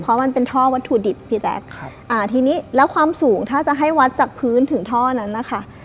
เพราะมันเป็นท่อวัตถุดิบพี่แจ๊คอ่าทีนี้แล้วความสูงถ้าจะให้วัดจากพื้นถึงท่อนั้นนะคะ